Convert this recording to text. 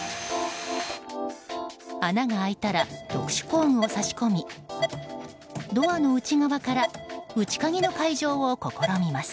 穴が開いたら特殊工具を挿し込みドアの内側から内鍵の解錠を試みます。